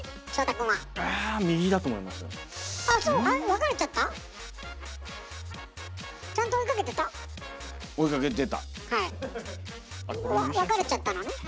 分かれちゃったのね。